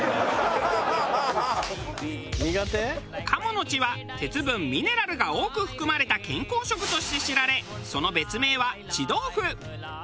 鴨の血は鉄分ミネラルが多く含まれた健康食として知られその別名は血豆腐。